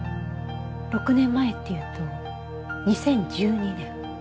６年前っていうと２０１２年。